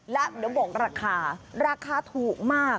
แล้วเดี๋ยวบอกราคาราคาถูกมาก